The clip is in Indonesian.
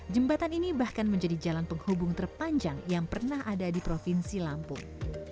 jembatan ini bahkan menjadi jalan penghubung terpanjang yang pernah ada di provinsi lampung